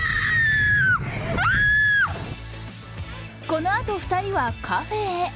このあと、２人はカフェへ。